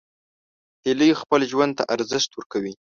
هیلۍ خپل ژوند ته ارزښت ورکوي